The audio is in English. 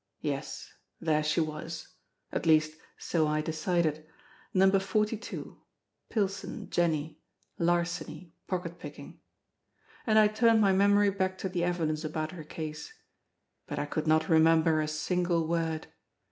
Yes, there she was, at least so I decided: Number 42, "Pilson, Jenny: Larceny, pocket picking." And I turned my memory back to the evidence about her case, but I could not remember a single word.